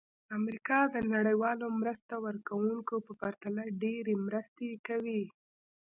امریکا د نړیوالو مرسته ورکوونکو په پرتله ډېرې مرستې کوي.